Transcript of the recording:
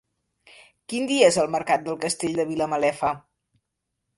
Quin dia és el mercat del Castell de Vilamalefa?